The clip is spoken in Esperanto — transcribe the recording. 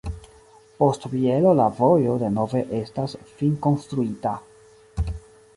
Post Bielo la vojo denove estas finkonstruita.